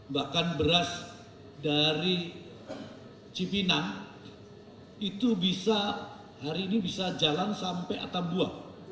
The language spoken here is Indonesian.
bahkan beras dari cipinang itu bisa hari ini bisa jalan sampai atap buah